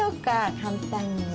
簡単に。